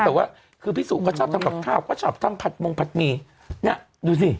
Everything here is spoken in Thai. แต่ว่าคือพี่สุก็ชอบทำกับข้าวก็ชอบทำผัดมงผัดหมี่เนี่ยดูสิ